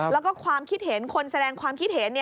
แล้วก็ความคิดเห็นคนแสดงความคิดเห็น